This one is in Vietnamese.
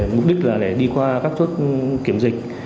mục đích là để đi qua các chốt kiểm dịch